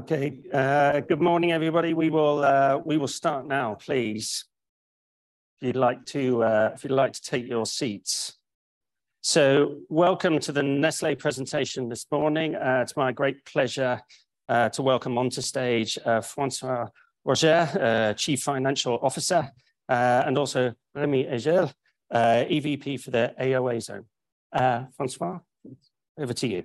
Good morning, everybody. We will start now, please. If you'd like to take your seats. Welcome to the Nestlé presentation this morning. It's my great pleasure to welcome onto stage François-Xavier Roger, Chief Financial Officer, and also Remy Ejel, EVP for the AOA zone. François, over to you.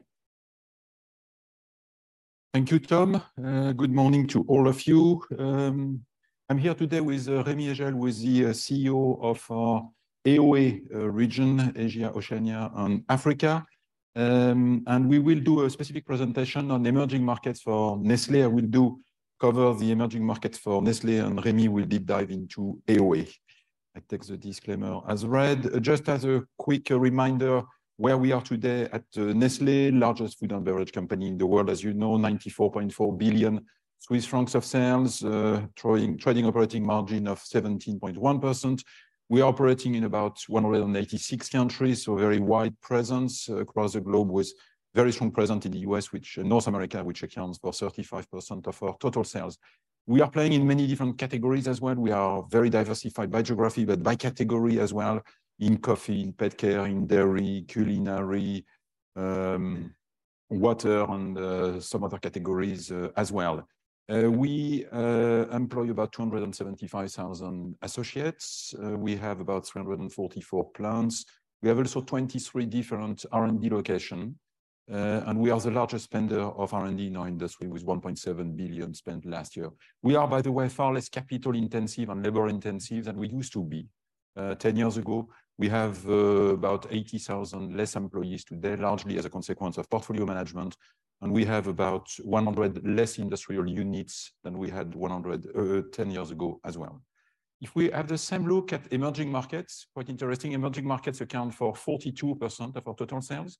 Thank you, Tom. Good morning to all of you. I'm here today with Remy Ejel, who is the CEO of AoA region, Asia, Oceania, and Africa. We will do a specific presentation on the emerging markets for Nestlé. I will cover the emerging markets for Nestlé, and Remy will deep dive into AoA. I take the disclaimer as read. Just as a quick reminder, where we are today at Nestlé, largest food and beverage company in the world. As you know, 94.4 billion Swiss francs of sales, trading operating margin of 17.1%. We are operating in about 186 countries, so a very wide presence across the globe, with very strong presence in the U.S., North America, which accounts for 35% of our total sales. We are playing in many different categories as well. We are very diversified by geography, but by category as well, in coffee, in pet care, in dairy, culinary, water, and some other categories as well. We employ about 275,000 associates. We have about 344 plants. We have also 23 different R&D locations, and we are the largest spender of R&D in our industry, with 1.7 billion spent last year. We are, by the way, far less capital-intensive and labor-intensive than we used to be 10 years ago. We have about 80,000 less employees today, largely as a consequence of portfolio management, and we have about 100 less industrial units than we had 10 years ago as well. If we have the same look at emerging markets, quite interesting, emerging markets account for 42% of our total sales.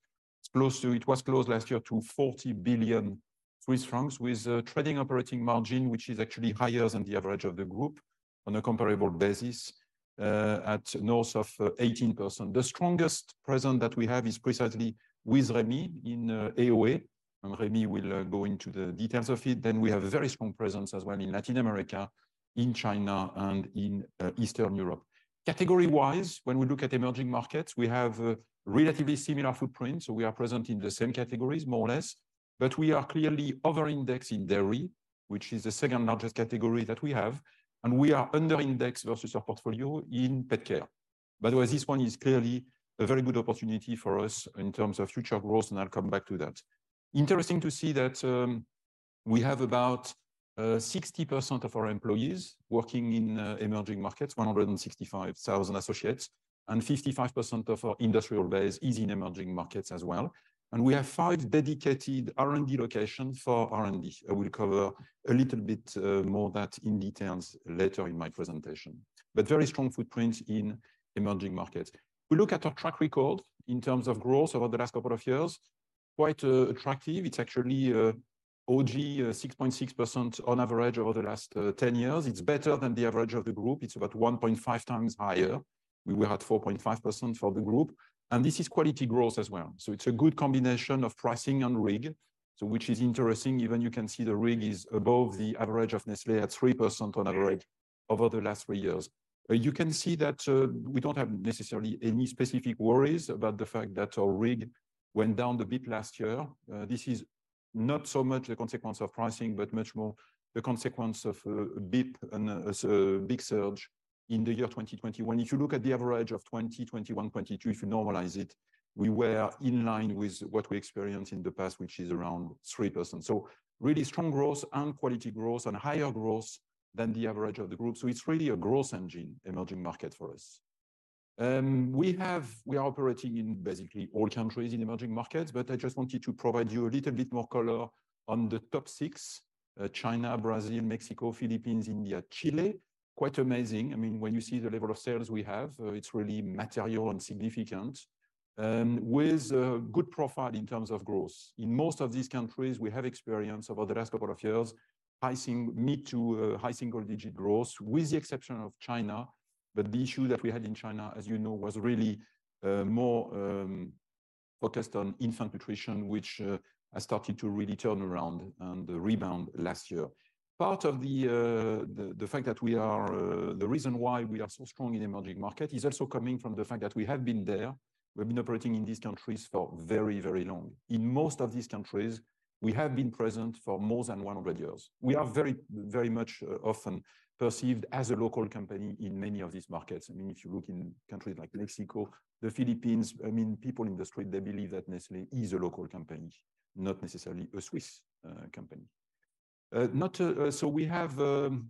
It was close last year to 40 billion Swiss francs, with a trading operating margin, which is actually higher than the average of the group on a comparable basis, at north of 18%. The strongest presence that we have is precisely with Remy in AOA, Remy will go into the details of it. We have a very strong presence as well in Latin America, in China, and in Eastern Europe. Category-wise, when we look at emerging markets, we have a relatively similar footprints, we are present in the same categories, more or less. We are clearly over-indexed in dairy, which is the second-largest category that we have, and we are under-indexed versus our portfolio in pet care. By the way, this one is clearly a very good opportunity for us in terms of future growth. I'll come back to that. Interesting to see that, we have about 60% of our employees working in emerging markets, 165,000 associates. 55% of our industrial base is in emerging markets as well. We have 5 dedicated R&D locations for R&D. I will cover a little bit more that in details later in my presentation, but a very strong footprint in emerging markets. We look at our track record in terms of growth over the last couple of years, quite attractive. It's actually OG 6.6% on average over the last 10 years. It's better than the average of the group. It's about 1.5x higher. We were at 4.5% for the group. This is quality growth as well. It's a good combination of pricing and RIG, which is interesting. Even you can see the RIG is above the average of Nestlé at 3% on average over the last three years. You can see that, we don't have necessarily any specific worries about the fact that our RIG went down a bit last year. This is not so much the consequence of pricing, but much more the consequence of a blip and a big surge in the year 2021. If you look at the average of 2020, 2021, 2022, if you normalize it, we were in line with what we experienced in the past, which is around 3%. Really strong growth and quality growth and higher growth than the average of the group. It's really a growth engine, emerging market for us. We are operating in basically all countries in emerging markets, but I just wanted to provide you a little bit more color on the top six, China, Brazil, Mexico, Philippines, India, Chile. Quite amazing. I mean, when you see the level of sales we have, it's really material and significant, with a good profile in terms of growth. In most of these countries, we have experience over the last couple of years, rising mid to high single-digit growth, with the exception of China. The issue that we had in China, as you know, was really more focused on Infant Nutrition, which has started to really turn around and rebound last year. Part of the fact that we are the reason why we are so strong in emerging market is also coming from the fact that we have been there. We've been operating in these countries for very, very long. In most of these countries, we have been present for more than 100 years. We are very, very much often perceived as a local company in many of these markets. I mean, if you look in countries like Mexico, the Philippines, I mean, people in the street, they believe that Nestlé is a local company, not necessarily a Swiss company. Not so we have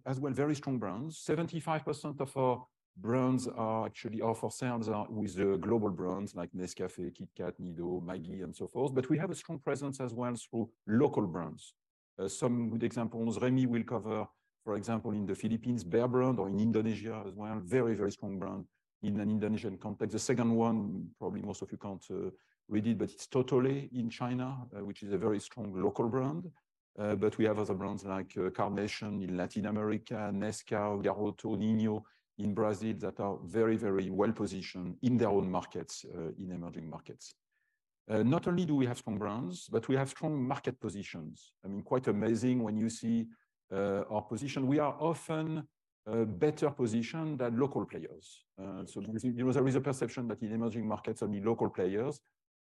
as well, very strong brands. 75% of our brands are actually, of our sales are with the global brands like Nescafé, KitKat, Nido, Maggi, and so forth, but we have a strong presence as well through local brands. Some good examples Remy will cover, for example, in the Philippines, Bear Brand, or in Indonesia as well, very, very strong brand in an Indonesian context. The second one, probably most of you can't read it, but it's Totole in China, which is a very strong local brand. But we have other brands like Carnation in Latin America, NESCAU, Garoto, NINHO in Brazil, that are very, very well-positioned in their own markets, in emerging markets. Not only do we have strong brands, but we have strong market positions. I mean, quite amazing when you see our position. We are often better positioned than local players. There is a perception that in emerging markets, only local players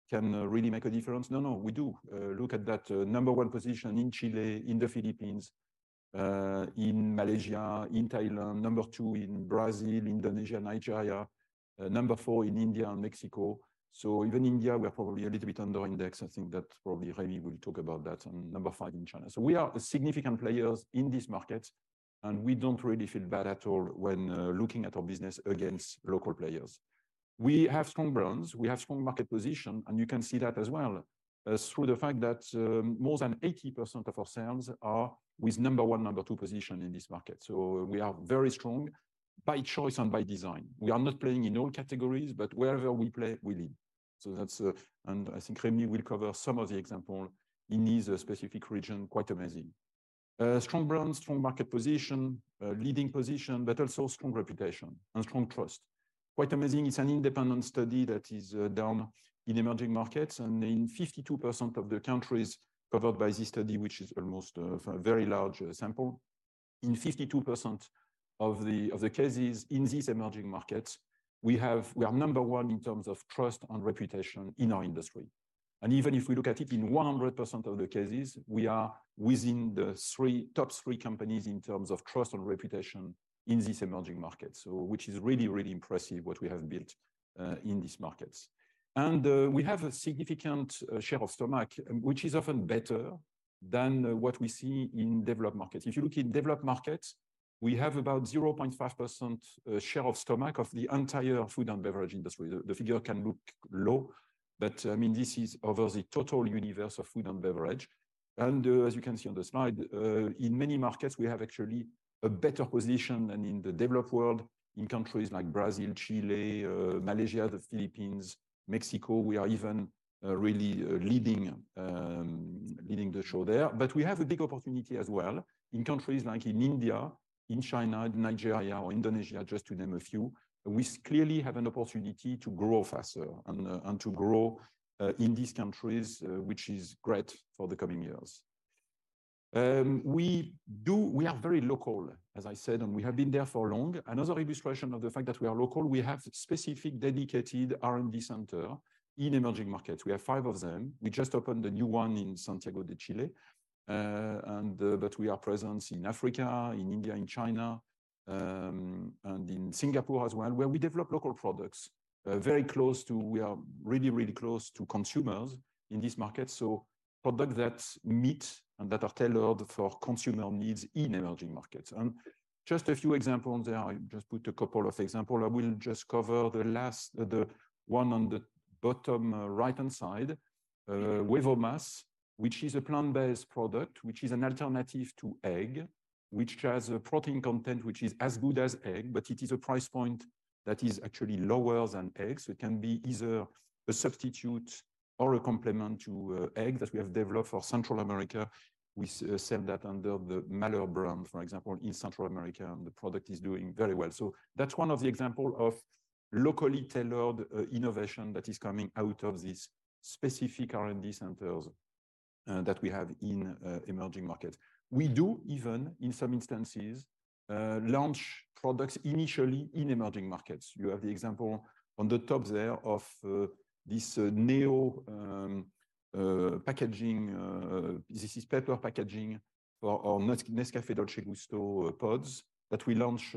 can really make a difference. No, we do. Look at that number 1 position in Chile, in the Philippines, in Malaysia, in Thailand, number two in Brazil, Indonesia, Nigeria, number four in India and Mexico. Even India, we are probably a little bit under index. I think that probably Remy will talk about that, and number five in China. We are significant players in this market, and we don't really feel bad at all when looking at our business against local players. We have strong brands, we have strong market position, and you can see that as well, through the fact that, more than 80% of our sales are with number one, number two position in this market. We are very strong by choice and by design. We are not playing in all categories, but wherever we play, we lead. That's, and I think Remy will cover some of the example in these specific region. Quite amazing. Strong brands, strong market position, leading position, but also strong reputation and strong trust. Quite amazing, it's an independent study that is done in emerging markets, and in 52% of the countries covered by this study, which is almost a very large sample. In 52% of the cases in these emerging markets, we are number one in terms of trust and reputation in our industry. Even if we look at it, in 100% of the cases, we are within the top three companies in terms of trust and reputation in these emerging markets. Which is really impressive what we have built in these markets. We have a significant share of stomach, which is often better than what we see in developed markets. If you look in developed markets, we have about 0.5% share of stomach of the entire food and beverage industry. The figure can look low, but, I mean, this is over the total universe of food and beverage. As you can see on the slide, in many markets, we have actually a better position than in the developed world. In countries like Brazil, Chile, Malaysia, the Philippines, Mexico, we are even really leading the show there. We have a big opportunity as well in countries like in India, in China, Nigeria, or Indonesia, just to name a few. We clearly have an opportunity to grow faster and to grow in these countries, which is great for the coming years. We are very local, as I said, and we have been there for long. Another illustration of the fact that we are local, we have specific dedicated R&D center in emerging markets. We have five of them. We just opened a new one in Santiago de Chile, and but we are present in Africa, in India, in China, and in Singapore as well, where we develop local products. We are really close to consumers in these markets, so products that meet and that are tailored for consumer needs in emerging markets. Just a few examples there, I just put a couple of examples. I will just cover the last, the one on the bottom right-hand side, Huevo Más, which is a plant-based product, which is an alternative to egg, which has a protein content which is as good as egg, but it is a price point that is actually lower than eggs. It can be either a substitute or a complement to egg that we have developed for Central America. We sell that under the Milo brand, for example, in Central America, and the product is doing very well. That's one of the example of locally tailored innovation that is coming out of these specific R&D centers that we have in emerging markets. We do even, in some instances, launch products initially in emerging markets. You have the example on the top there of this Neo packaging. This is paper packaging for our Nescafé Dolce Gusto pods that we launched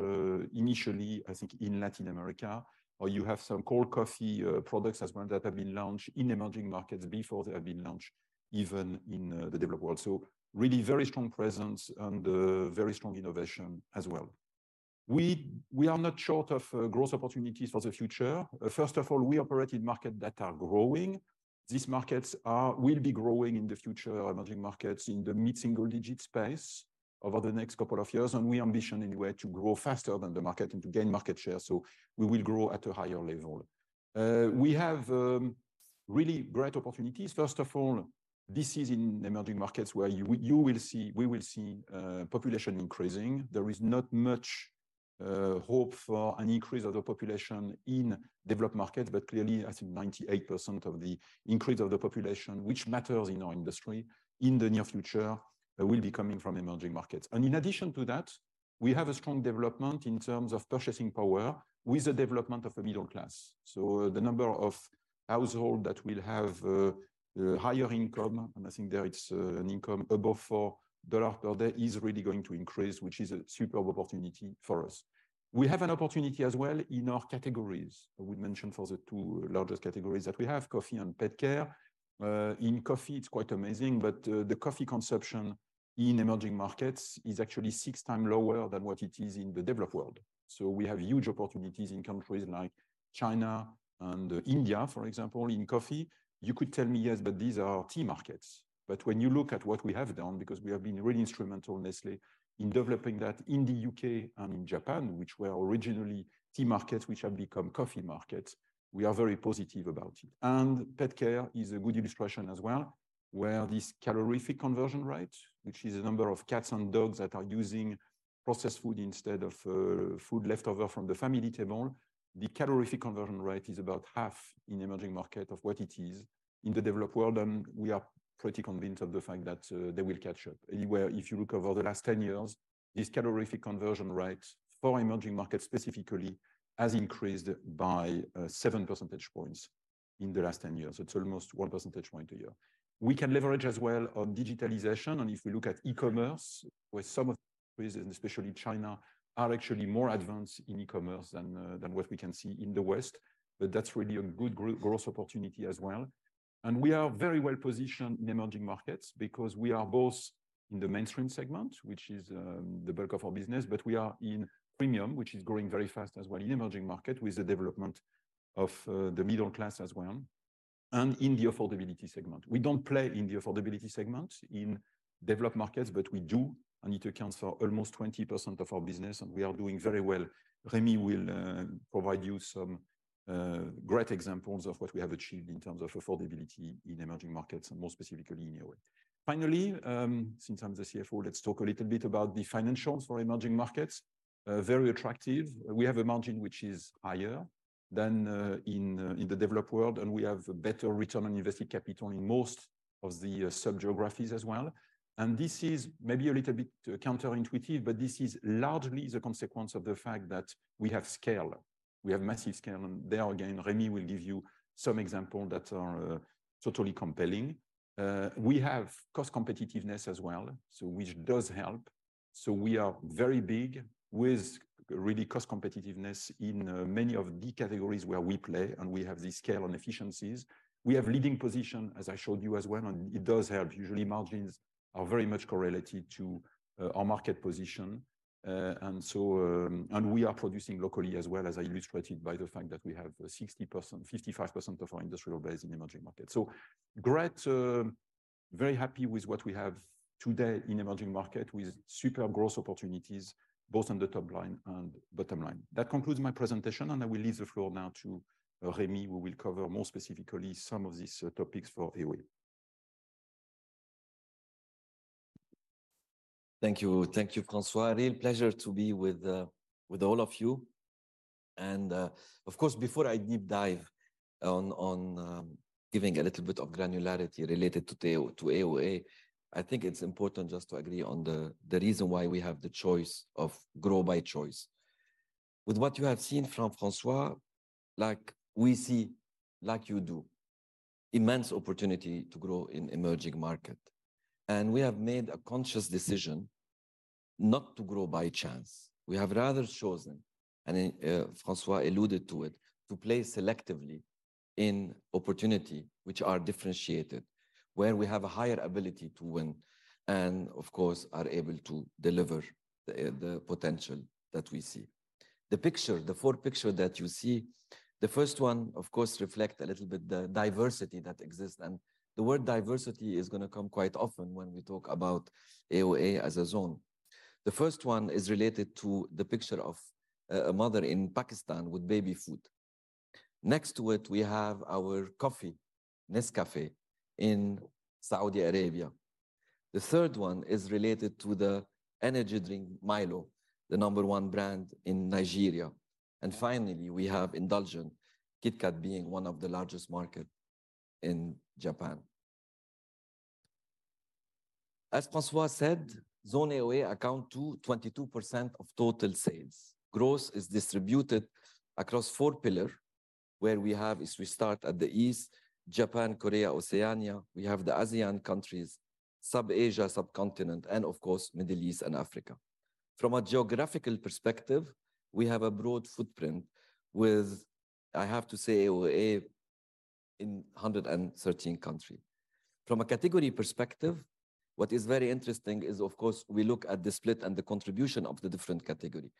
initially, I think, in Latin America. You have some cold coffee products as well, that have been launched in emerging markets before they have been launched even in the developed world. Really very strong presence and very strong innovation as well. We are not short of growth opportunities for the future. First of all, we operate in market that are growing. These markets will be growing in the future, emerging markets, in the mid-single-digit space over the next couple of years, and we ambition, anyway, to grow faster than the market and to gain market share, so we will grow at a higher level. We have really great opportunities. First of all, this is in emerging markets where you will see, we will see population increasing. There is not much hope for an increase of the population in developed markets, but clearly, I think 98% of the increase of the population, which matters in our industry, in the near future will be coming from emerging markets. In addition to that, we have a strong development in terms of purchasing power with the development of a middle class. The number of household that will have higher income, and I think there it's an income above $4 dollar per day, is really going to increase, which is a superb opportunity for us. We have an opportunity as well in our categories. I would mention for the two largest categories that we have, coffee and pet care. In coffee, it's quite amazing, but the coffee consumption in emerging markets is actually six times lower than what it is in the developed world. We have huge opportunities in countries like China and India, for example, in coffee. You could tell me, "Yes, but these are tea markets." When you look at what we have done, because we have been really instrumental, Nestlé, in developing that in the U.K. and in Japan, which were originally tea markets, which have become coffee markets, we are very positive about it. Pet care is a good illustration as well, where this calorific conversion rate, which is the number of cats and dogs that are processed food instead of food leftover from the family table. The calorific conversion rate is about half in emerging market of what it is in the developed world, and we are pretty convinced of the fact that, they will catch up. Anywhere, if you look over the last 10 years, this calorific conversion rate for emerging markets specifically, has increased by, 7 percentage points in the last 10 years. It's almost 1 percentage point a year. We can leverage as well on digitalization, and if we look at e-commerce, where some of countries, and especially China, are actually more advanced in e-commerce than what we can see in the West, but that's really a good growth opportunity as well. We are very well positioned in emerging markets because we are both in the mainstream segment, which is the bulk of our business, but we are in premium, which is growing very fast as well in emerging market, with the development of the middle class as well, and in the affordability segment. We don't play in the affordability segment in developed markets, but we do, and it accounts for almost 20% of our business, and we are doing very well. Remy will provide you some great examples of what we have achieved in terms of affordability in emerging markets, and more specifically in AOA. Since I'm the CFO, let's talk a little bit about the financials for emerging markets. Very attractive. We have a margin which is higher than in the developed world, and we have a better return on invested capital in most of the sub-geographies as well. This is maybe a little bit counterintuitive, but this is largely the consequence of the fact that we have scale. We have massive scale, and there again, Remy will give you some example that are totally compelling. We have cost competitiveness as well, so which does help. We are very big with really cost competitiveness in many of the categories where we play, and we have the scale and efficiencies. We have leading position, as I showed you as well, and it does help. Usually, margins are very much correlated to our market position. We are producing locally as well, as I illustrated by the fact that we have 60%, 55% of our industrial base in emerging markets. Great, very happy with what we have today in emerging market, with super growth opportunities, both on the top line and bottom line. That concludes my presentation, and I will leave the floor now to Remy, who will cover more specifically some of these topics for AOA. Thank you. Thank you, François. A real pleasure to be with all of you. Of course, before I deep dive on giving a little bit of granularity related to AOA, I think it's important just to agree on the reason why we have the choice of grow by choice. With what you have seen from François, like we see, like you do, immense opportunity to grow in emerging market, and we have made a conscious decision not to grow by chance. We have rather chosen, and François alluded to it, to play selectively in opportunity, which are differentiated, where we have a higher ability to win and of course, are able to deliver the potential that we see. The four pictures that you see, the first one, of course, reflect a little bit the diversity that exists, and the word diversity is gonna come quite often when we talk about AOA as a zone. The first one is related to the picture of a mother in Pakistan with baby food. Next to it, we have our coffee, Nescafé, in Saudi Arabia. The third one is related to the energy drink, MILO, the number one brand in Nigeria. Finally, we have indulgence, KitKat being one of the largest market in Japan. As François said, zone AOA account to 22% of total sales. Growth is distributed across four pillars, where we have is we start at the East, Japan, Korea, Oceania. We have the ASEAN countries, South Asia, subcontinent, and of course, Middle East and Africa. From a geographical perspective, we have a broad footprint with, I have to say, AOA in 113 country. From a category perspective, what is very interesting is, of course, we look at the split and the contribution of the different category.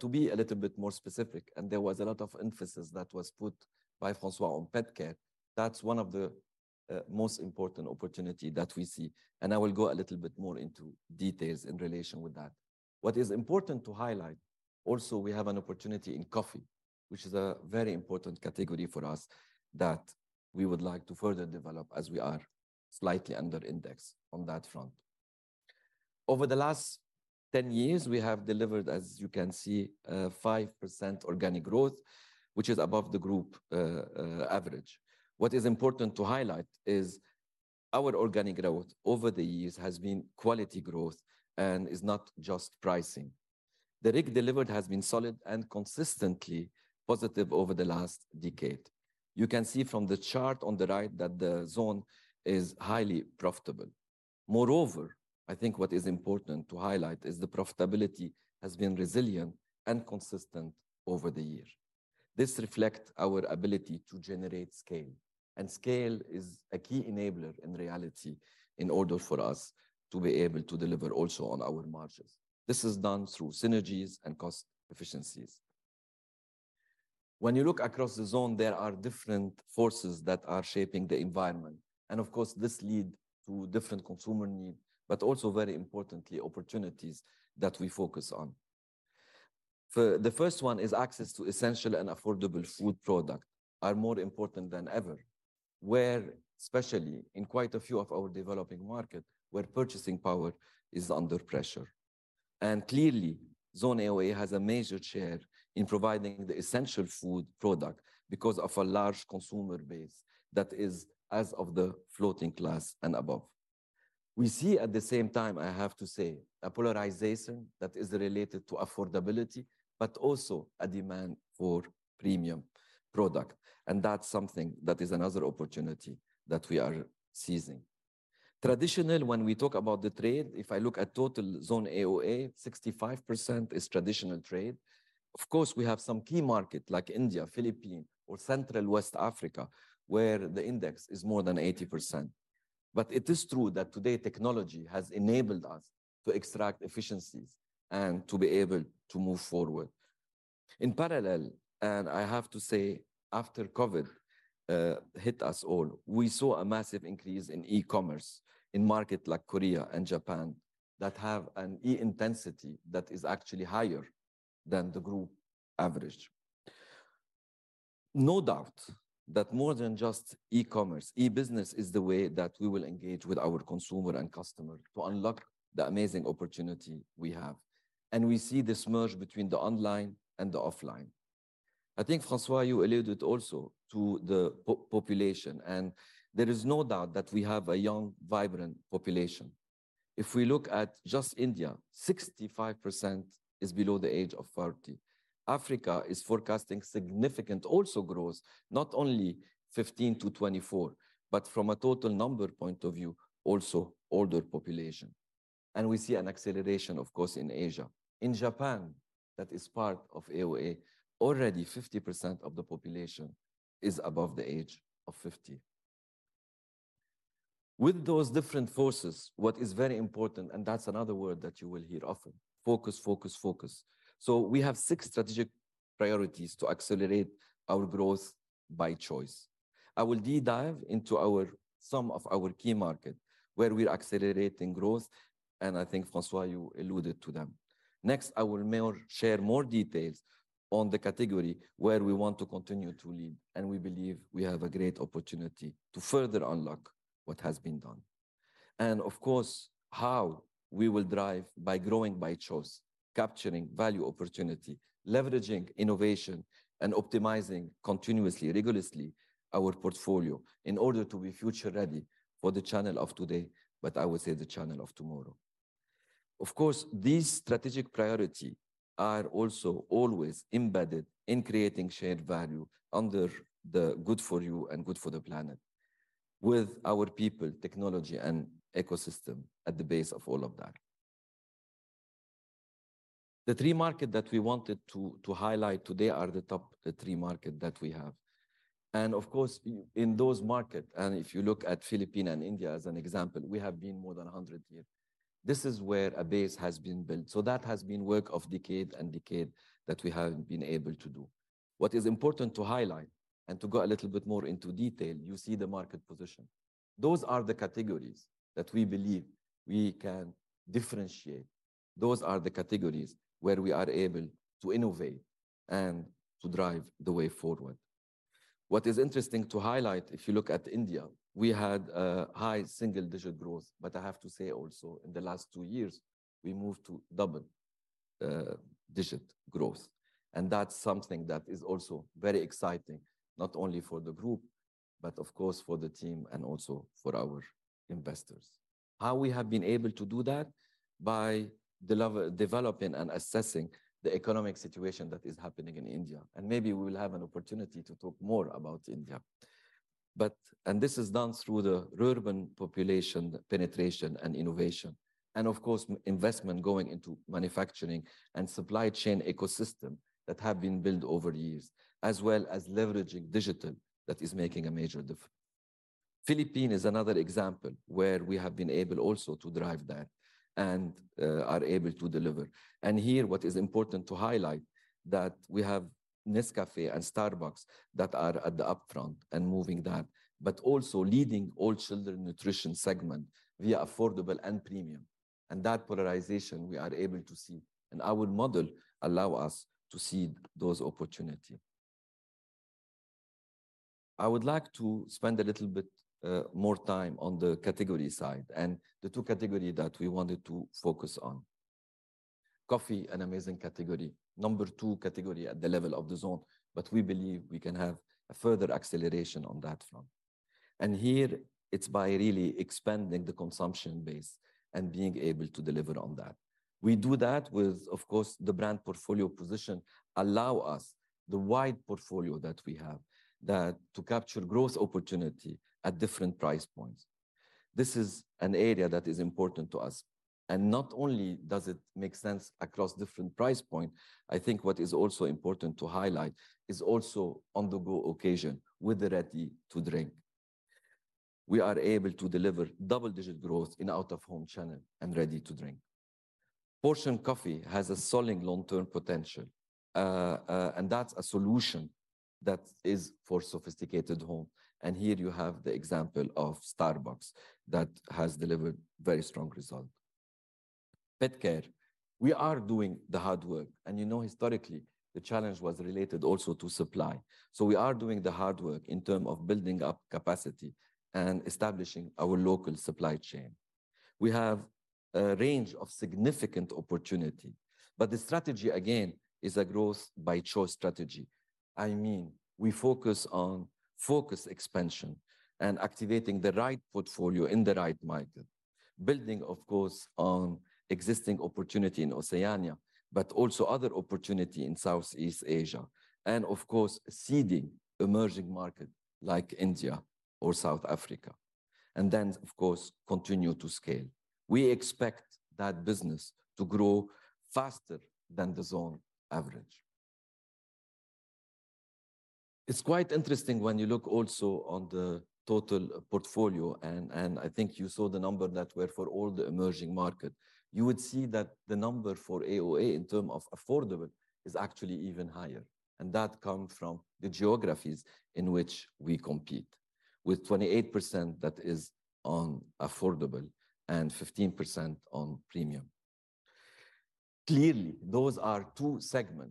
To be a little bit more specific, and there was a lot of emphasis that was put by François on pet care, that's one of the most important opportunity that we see, and I will go a little bit more into details in relation with that. What is important to highlight, also, we have an opportunity in coffee, which is a very important category for us that we would like to further develop as we are slightly under index on that front. Over the last 10 years, we have delivered, as you can see, 5% organic growth, which is above the group average. What is important to highlight is our organic growth over the years has been quality growth and is not just pricing. The RIG delivered has been solid and consistently positive over the last decade. You can see from the chart on the right that the zone is highly profitable. Moreover, I think what is important to highlight is the profitability has been resilient and consistent over the years. This reflect our ability to generate scale, and scale is a key enabler in reality, in order for us to be able to deliver also on our margins. This is done through synergies and cost efficiencies. When you look across the zone, there are different forces that are shaping the environment, and of course, this lead to different consumer need, but also very importantly, opportunities that we focus on. For the first one is access to essential and affordable food product are more important than ever, where especially in quite a few of our developing market, where purchasing power is under pressure. Clearly, Zone AOA has a major share in providing the essential food product because of a large consumer base that is as of the affluent class and above. We see at the same time, I have to say, a polarization that is related to affordability, but also a demand for premium product, and that's something that is another opportunity that we are seizing. Traditionaly, when we talk about the trade, if I look at total Zone AOA, 65% is traditional trade. Of course, we have some key market like India, Philippines, or Central West Africa, where the index is more than 80%. It is true that today, technology has enabled us to extract efficiencies and to be able to move forward. In parallel, and I have to say, after COVID-19 hit us all, we saw a massive increase in e-commerce in market like Korea and Japan, that have an e-intensity that is actually higher than the group average. No doubt that more than just e-commerce, e-business is the way that we will engage with our consumer and customer to unlock the amazing opportunity we have, and we see this merge between the online and the offline. I think, François, you alluded also to the population, and there is no doubt that we have a young, vibrant population. If we look at just India, 65% is below the age of 30. Africa is forecasting significant also growth, not only 15-24, but from a total number point of view, also older population. We see an acceleration, of course, in Asia. In Japan, that is part of AOA, already 50% of the population is above the age of 50. With those different forces, what is very important, and that's another word that you will hear often: focus, focus. We have six strategic priorities to accelerate our growth by choice. I will deep dive into some of our key market, where we're accelerating growth, and I think, François, you alluded to them. Next, I will share more details on the category where we want to continue to lead, and we believe we have a great opportunity to further unlock what has been done. And of course, how we will drive by growing by choice, capturing value opportunity, leveraging innovation, and optimizing continuously, rigorously, our portfolio in order to be future-ready for the channel of today, but I would say the channel of tomorrow. Of course, these strategic priorities are also always embedded in creating shared value under the good for you and good for the planet, with our people, technology, and ecosystem at the base of all of that. The three markets that we wanted to highlight today are the top three markets that we have. Of course, in those markets, and if you look at Philippines and India as an example, we have been more than 100 year. This is where a base has been built, so that has been work of decade and decade that we have been able to do. What is important to highlight, and to go a little bit more into detail, you see the market position. Those are the categories that we believe we can differentiate. Those are the categories where we are able to innovate and to drive the way forward. What is interesting to highlight, if you look at India, we had a high single-digit growth, but I have to say also, in the last two years, we moved to double-digit growth, and that's something that is also very exciting, not only for the group, but of course for the team and also for our investors. How we have been able to do that? By developing and assessing the economic situation that is happening in India, and maybe we will have an opportunity to talk more about India. This is done through the rural population penetration and innovation, and of course, investment going into manufacturing and supply chain ecosystem that have been built over the years, as well as leveraging digital that is making a major difference. Philippines is another example where we have been able also to drive that and are able to deliver. Here, what is important to highlight, that we have Nescafé and Starbucks that are at the upfront and moving that, but also leading all children nutrition segment via affordable and premium. That polarization we are able to see, and our model allow us to see those opportunity. I would like to spend a little bit more time on the category side, and the two categories that we wanted to focus on. Coffee, an amazing category, number two category at the level of the Zone, but we believe we can have a further acceleration on that front. Here, it's by really expanding the consumption base and being able to deliver on that. We do that with, of course, the brand portfolio position allow us, the wide portfolio that we have, that to capture growth opportunity at different price points. Not only does it make sense across different price point, I think what is also important to highlight is also on-the-go occasion with the ready-to-drink. We are able to deliver double-digit growth in out-of-home channel and ready-to-drink. Portioned coffee has a solid long-term potential, and that is for sophisticated home. Here you have the example of Starbucks that has delivered very strong result. Pet Care. You know, historically, the challenge was related also to supply. We are doing the hard work in term of building up capacity and establishing our local supply chain. We have a range of significant opportunity, but the strategy, again, is a growth by choice strategy. I mean, we focus on focused expansion and activating the right portfolio in the right market. Building, of course, on existing opportunity in Oceania, but also other opportunity in Southeast Asia, and of course, seeding emerging market like India or South Africa, and then, of course, continue to scale. We expect that business to grow faster than the zone average. It's quite interesting when you look also on the total portfolio, and I think you saw the number that were for all the emerging market. You would see that the number for AOA in terms of affordable is actually even higher, and that come from the geographies in which we compete, with 28% that is on affordable and 15% on premium. Clearly, those are two segment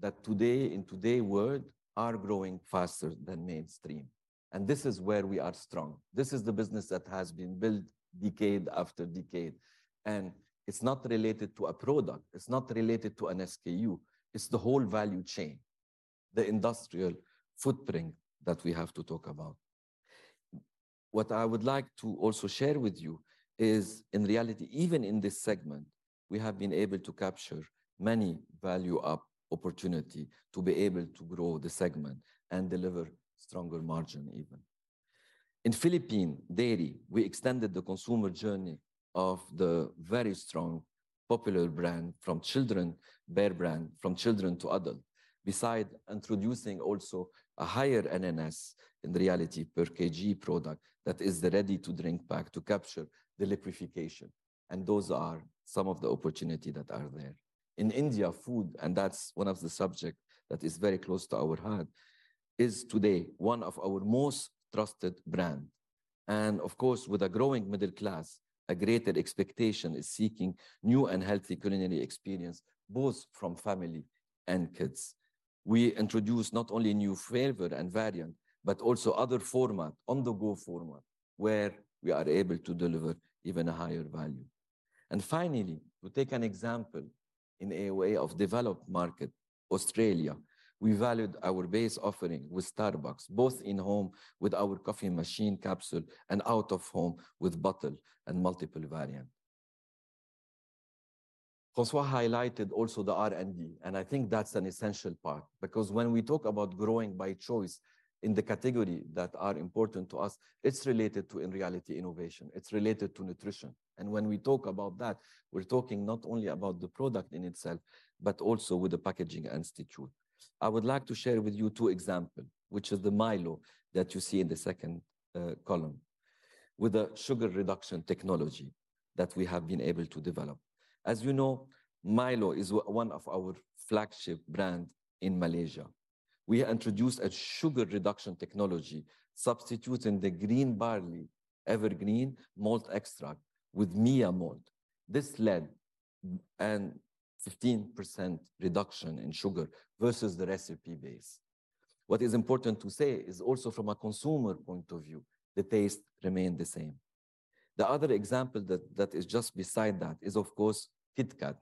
that today, in today world, are growing faster than mainstream. This is where we are strong. This is the business that has been built decade after decade. It's not related to a product, it's not related to an SKU, it's the whole value chain, the industrial footprint that we have to talk about. What I would like to also share with you is, in reality, even in this segment, we have been able to capture many value-up opportunity to be able to grow the segment and deliver stronger margin even. In Philippine Dairy, we extended the consumer journey of the very strong, popular brand from children, Bear Brand, from children to adult. Beside introducing also a higher NNPS, in reality, per kg product that is the ready-to-drink pack to capture the liquification. Those are some of the opportunity that are there. In India, food, and that's one of the subject that is very close to our heart, is today one of our most trusted brand. Of course, with a growing middle class, a greater expectation is seeking new and healthy culinary experience, both from family and kids. We introduce not only new flavors and variants, but also other formats, on-the-go formats, where we are able to deliver even a higher value. Finally, to take an example in a way of developed market, Australia, we valued our base offering with Starbucks, both in home with our coffee machine capsule and out-of-home with bottles and multiple variant. François highlighted also the R&D. I think that's an essential part, because when we talk about growing by choice in the category that are important to us, it's related to, in reality, innovation. It's related to nutrition. When we talk about that, we're talking not only about the product in itself, but also with the packaging institute. I would like to share with you two examples, which is the MILO that you see in the second column, with a sugar reduction technology that we have been able to develop. As you know, MILO is one of our flagship brand in Malaysia. We introduced a sugar reduction technology, substituting the green barley, evergreen malt extract, with MIA-Malt. This led an 15% reduction in sugar versus the recipe base. What is important to say is also from a consumer point of view, the taste remained the same. The other example that is just beside that is, of course, KitKat.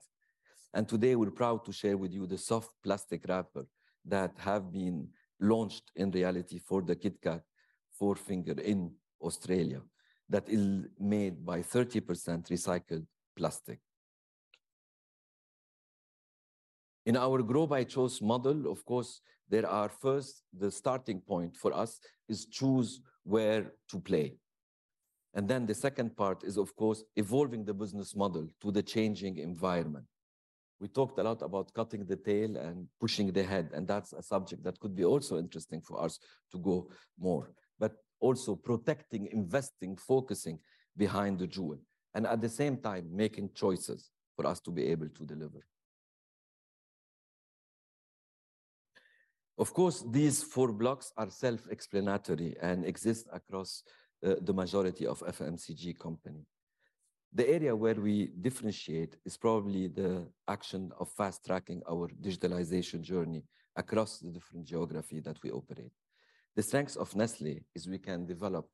Today, we're proud to share with you the soft plastic wrapper that have been launched in reality for the KitKat four finger in Australia, that is made by 30% recycled plastic. In our Grow by Choice model, of course, there are first, the starting point for us is choose where to play. Then the second part is, of course, evolving the business model to the changing environment. We talked a lot about cutting the tail and pushing the head, that's a subject that could be also interesting for us to go more. Also protecting, investing, focusing behind the jewel, and at the same time, making choices for us to be able to deliver. Of course, these four blocks are self-explanatory and exist across the majority of FMCG company. The area where we differentiate is probably the action of fast-tracking our digitalization journey across the different geography that we operate. The strength of Nestlé is we can develop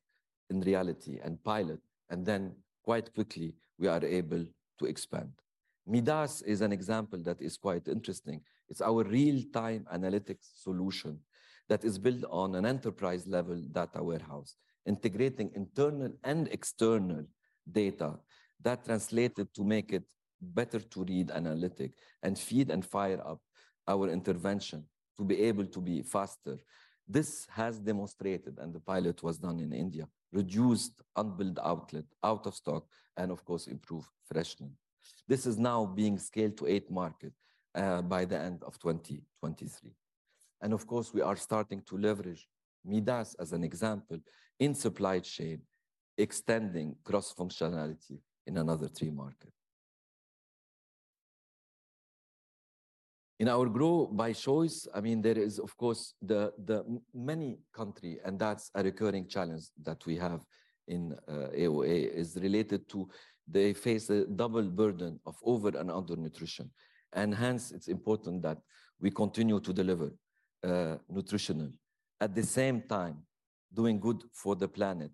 in reality and pilot, then quite quickly, we are able to expand. MIDAS is an example that is quite interesting. It's our real-time analytics solution that is built on an enterprise-level data warehouse, integrating internal and external data that translated to make it better to read analytic and feed and fire up our intervention to be able to be faster. This has demonstrated, the pilot was done in India, reduced unbilled outlet, out of stock, and of course, improved freshness. This is now being scaled to eight markets by the end of 2023. Of course, we are starting to leverage MIDAS as an example in supply chain, extending cross-functionality in another three markets. In our grow by choice, I mean, there is, of course, the many countries, and that's a recurring challenge that we have in AOA, is related to they face a double burden of over- and undernutrition. Hence, it's important that we continue to deliver nutritional, at the same time, doing good for the planet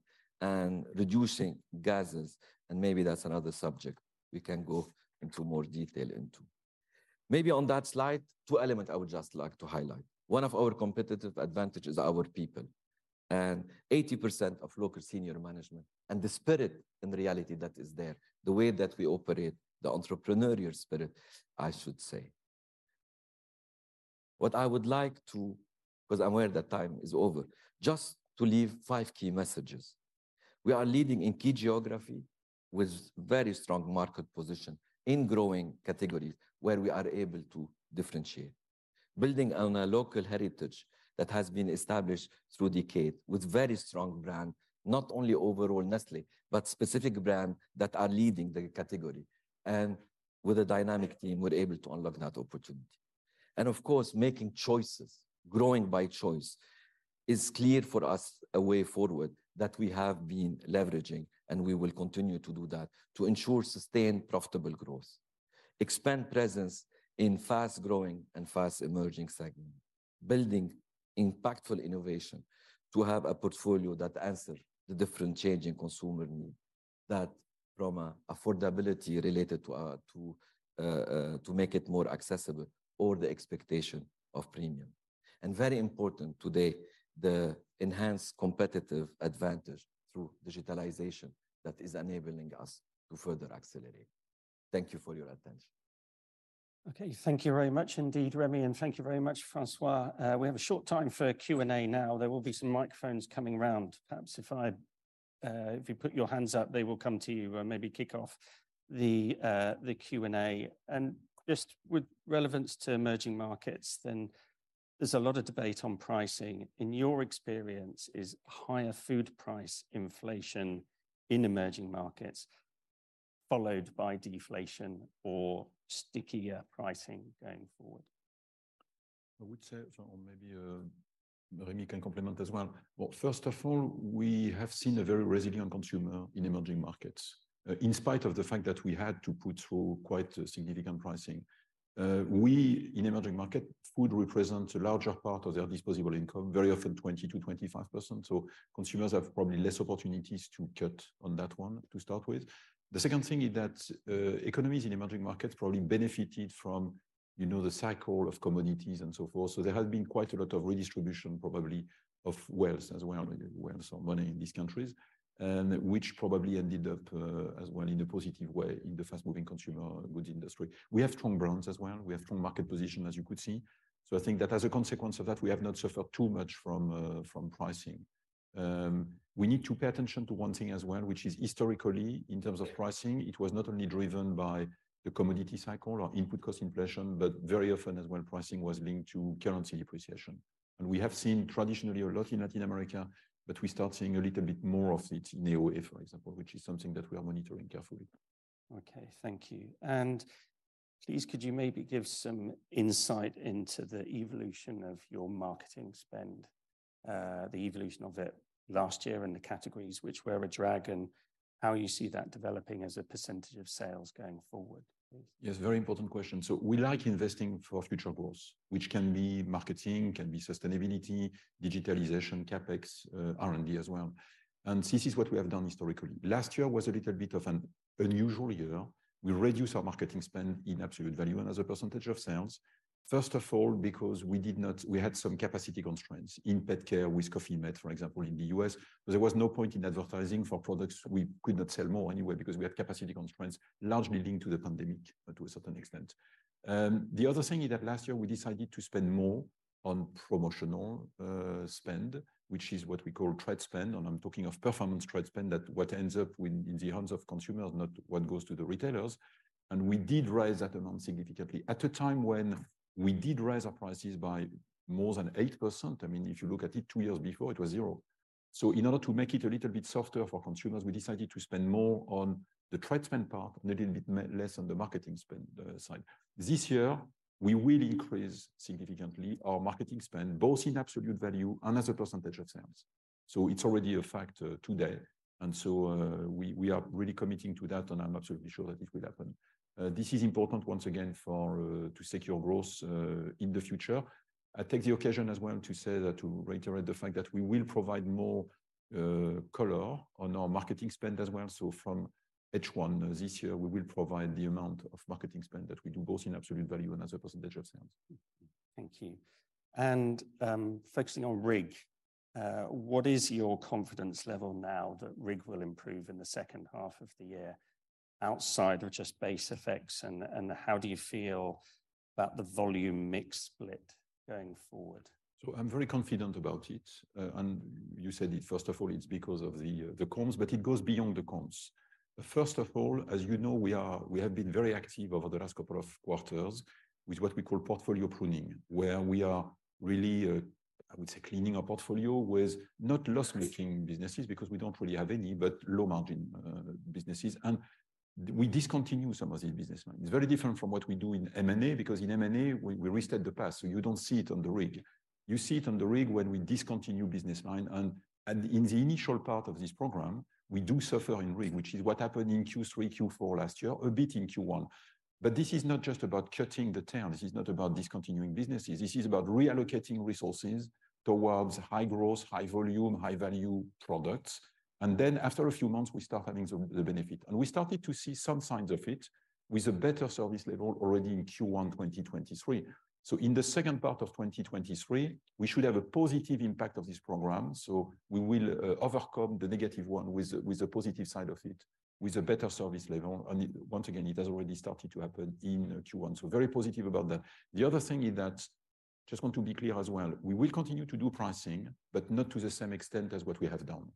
and reducing gases, and maybe that's another subject we can go into more detail into. Maybe on that slide, two elements I would just like to highlight. One of our competitive advantage is our people, and 80% of local senior management, and the spirit and reality that is there, the way that we operate, the entrepreneurial spirit, I should say. What I would like to, 'cause I'm aware that time is over, just to leave five key messages. We are leading in key geography with very strong market position in growing categories, where we are able to differentiate. Building on a local heritage that has been established through decade, with very strong brand, not only overall Nestlé, but specific brand that are leading the category. With a dynamic team, we're able to unlock that opportunity. Of course, making choices, growing by choice, is clear for us a way forward that we have been leveraging, and we will continue to do that to ensure sustained, profitable growth. Expand presence in fast-growing and fast-emerging segment. Building impactful innovation, to have a portfolio that answer the different changing consumer need, that from a affordability related to to make it more accessible or the expectation of premium. Very important today, the enhanced competitive advantage through digitalization that is enabling us to further accelerate. Thank you for your attention. Okay, thank you very much indeed, Remy, and thank you very much, François. We have a short time for Q&A now. There will be some microphones coming round. Perhaps if I, if you put your hands up, they will come to you and maybe kick off the Q&A. Just with relevance to emerging markets, then there's a lot of debate on pricing. In your experience, is higher food price inflation in emerging markets followed by deflation or stickier pricing going forward? I would say, or maybe, Remy can complement as well. First of all, we have seen a very resilient consumer in emerging markets, in spite of the fact that we had to put through quite a significant pricing. We, in emerging market, food represents a larger part of their disposable income, very often 20%-25%, so consumers have probably less opportunities to cut on that one, to start with. The second thing is that economies in emerging markets probably benefited from, you know, the cycle of commodities and so forth, so there has been quite a lot of redistribution, probably, of wealth as well, maybe wealth or money in these countries, and which probably ended up as well in a positive way in the fast-moving consumer goods industry. We have strong brands as well. We have strong market position, as you could see. I think that as a consequence of that, we have not suffered too much from pricing. We need to pay attention to one thing as well, which is historically, in terms of pricing, it was not only driven by the commodity cycle or input cost inflation, but very often as well, pricing was linked to currency depreciation. We have seen traditionally a lot in Latin America, but we start seeing a little bit more of it in AOA, for example, which is something that we are monitoring carefully. Okay, thank you. Please, could you maybe give some insight into the evolution of your marketing spend, the evolution of it last year and the categories which were a drag, and how you see that developing as a % of sales going forward, please? Yes, very important question. We like investing for future growth, which can be marketing, can be sustainability, digitalization, CapEx, R&D as well, and this is what we have done historically. Last year was a little bit of an unusual year. We reduced our marketing spend in absolute value and as a percentage of sales, first of all, because we had some capacity constraints in pet care with Coffee mate, for example, in the U.S. There was no point in advertising for products we could not sell more anyway because we had capacity constraints, largely linked to the pandemic, to a certain extent. The other thing is that last year, we decided to spend more on promotional spend, which is what we call trade spend, and I'm talking of performance trade spend, that what ends up in the hands of consumers, not what goes to the retailers. We did raise that amount significantly at a time when we did raise our prices by more than 8%. I mean, if you look at it, two years before, it was zero. In order to make it a little bit softer for consumers, we decided to spend more on the trade spend part, a little bit less on the marketing spend side. This year, we will increase significantly our marketing spend, both in absolute value and as a percentage of sales. It's already a factor today, and so, we are really committing to that, and I'm absolutely sure that it will happen. This is important once again for, to secure growth, in the future. I take the occasion as well to say that, to reiterate the fact that we will provide more, color on our marketing spend as well, so from H1 this year, we will provide the amount of marketing spend that we do, both in absolute value and as a percentage of sales. Thank you. Focusing on RIG, what is your confidence level now that RIG will improve in the H1 of the year, outside of just base effects, and how do you feel about the volume mix split going forward? I'm very confident about it, and you said it, first of all, it's because of the coms, but it goes beyond the coms. As you know, we have been very active over the last couple of quarters with what we call portfolio pruning, where we are really, I would say, cleaning our portfolio with not loss-making businesses, because we don't really have any, but low-margin businesses, and we discontinue some of the business line. It's very different from what we do in M&A, because in M&A, we restart the past, so you don't see it on the RIG. You see it on the RIG when we discontinue business line, and in the initial part of this program, we do suffer in RIG, which is what happened in Q3, Q4 last year, a bit in Q1. This is not just about cutting the tail, this is not about discontinuing businesses. This is about reallocating resources towards high growth, high volume, high value products, after a few months, we start having the benefit. We started to see some signs of it with a better service level already in Q1 2023. In the second part of 2023, we should have a positive impact of this program, so we will overcome the negative one with the positive side of it, with a better service level. Once again, it has already started to happen in Q1, so very positive about that. The other thing is that, just want to be clear as well, we will continue to do pricing, but not to the same extent as what we have done.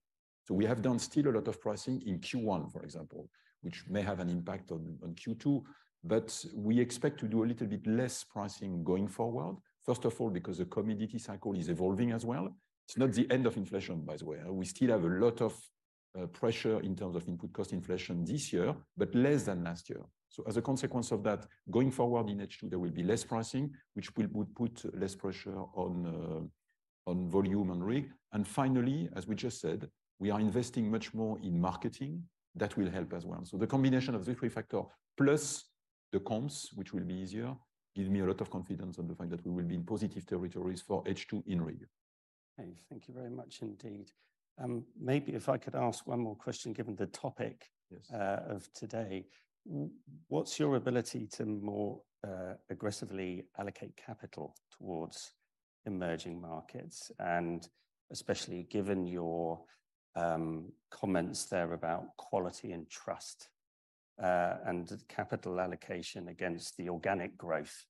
We have done still a lot of pricing in Q1, for example, which may have an impact on Q2, but we expect to do a little bit less pricing going forward. First of all, because the commodity cycle is evolving as well. It's not the end of inflation, by the way. We still have a lot of pressure in terms of input cost inflation this year, but less than last year. As a consequence of that, going forward in H2, there will be less pricing, which would put less pressure on volume and RIG. Finally, as we just said, we are investing much more in marketing. That will help as well. The combination of the three factors, plus the comps, which will be easier, give me a lot of confidence on the fact that we will be in positive territories for H2 in RIG. Okay, thank you very much indeed. Maybe if I could ask one more question, given the topic- Yes... of today. What's your ability to more, aggressively allocate capital towards emerging markets? Especially given your, comments there about quality and trust, and capital allocation against the organic growth,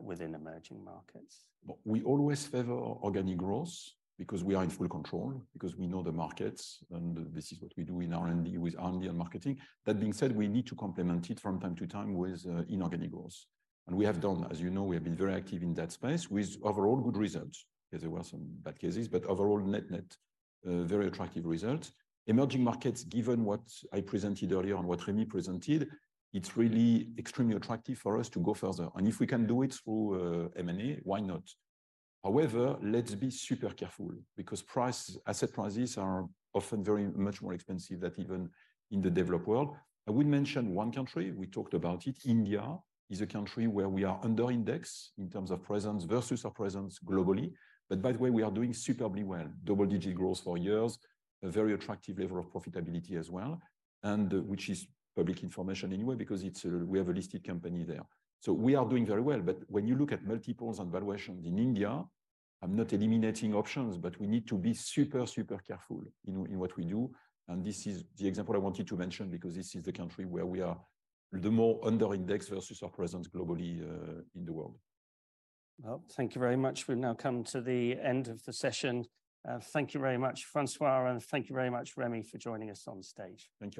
within emerging markets. We always favor organic growth because we are in full control, because we know the markets, and this is what we do in R&D with R&D and marketing. That being said, we need to complement it from time to time with inorganic growth. We have done that. As you know, we have been very active in that space, with overall good results. There were some bad cases, but overall net-net, very attractive results. Emerging markets, given what I presented earlier and what Remy presented, it's really extremely attractive for us to go further. If we can do it through M&A, why not? However, let's be super careful because price, asset prices are often very much more expensive than even in the developed world. I will mention one country, we talked about it. India is a country where we are under index in terms of presence versus our presence globally. By the way, we are doing superbly well. Double-digit growth for years, a very attractive level of profitability as well, and which is public information anyway, because we have a listed company there. We are doing very well, when you look at multiples and valuations in India, I'm not eliminating options, we need to be super careful in what we do. This is the example I wanted to mention, because this is the country where we are the more under index versus our presence globally in the world. Well, thank you very much. We've now come to the end of the session. Thank you very much, François, and thank you very much, Remy, for joining us on stage.